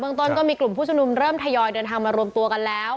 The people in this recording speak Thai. ต้นก็มีกลุ่มผู้ชมนุมเริ่มทยอยเดินทางมารวมตัวกันแล้ว